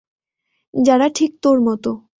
যারা ঠিক তোর মতো।